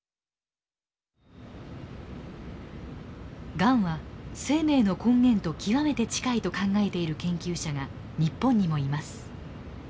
がんは生命の根源と極めて近いと考えている研究者が日本にもいます。